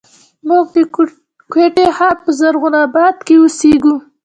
موږ د کوټي ښار په زرغون آباد کښې اوسېږو